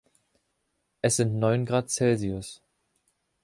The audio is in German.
Es sind neun Grad Celsius.